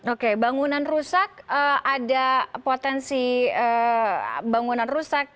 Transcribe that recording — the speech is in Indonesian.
oke bangunan rusak ada potensi bangunan rusak